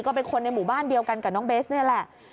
ก็เป็นคนในหมู่บ้านเดียวกันกับน้องเบสนี่แหละ